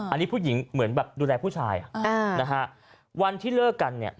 อันนี้ผู้หญิงเหมือนแบบดูแลผู้ชายนะฮะวันที่เลิกกันเนี่ย